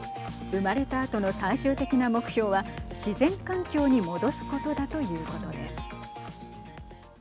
生まれたあとの最終的な目標は自然環境に戻すことだということです。